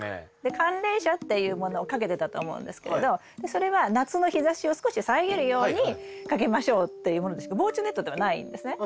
寒冷紗っていうものをかけてたと思うんですけどそれは夏の日ざしを少し遮るようにかけましょうっていうもので防虫ネットではないんですね。